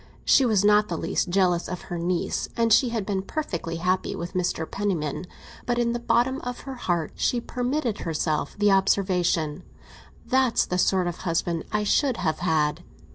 She was not the least jealous of her niece, and she had been perfectly happy with Mr. Penniman, but in the bottom of her heart she permitted herself the observation: "That's the sort of husband I should have had!"